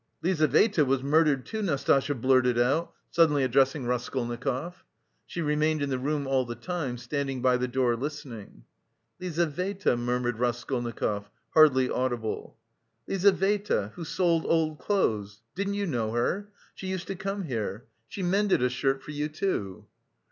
"Lizaveta was murdered, too," Nastasya blurted out, suddenly addressing Raskolnikov. She remained in the room all the time, standing by the door listening. "Lizaveta," murmured Raskolnikov hardly audibly. "Lizaveta, who sold old clothes. Didn't you know her? She used to come here. She mended a shirt for you, too."